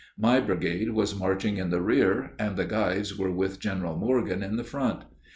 My brigade was marching in the rear, and the guides were with General Morgan in the front.